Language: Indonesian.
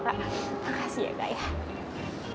makasih ya kak